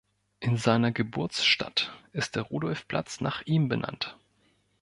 In seiner Geburtsstadt ist der Rudolfplatz nach ihm benannt.